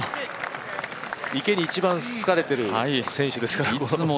池に一番好かれてる選手ですから。